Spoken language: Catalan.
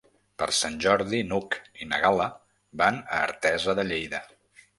Per Sant Jordi n'Hug i na Gal·la van a Artesa de Lleida.